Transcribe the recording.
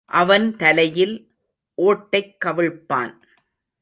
அவன் தலையில் ஓட்டைக் கவிழ்ப்பான்.